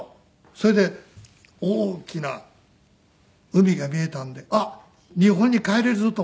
それで大きな海が見えたんであっ日本に帰れるぞと思ったんです。